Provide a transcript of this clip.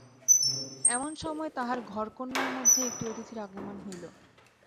এমন সময় তাঁহার ঘরকন্নার মধ্যে একটি অতিথির আগমন হইল।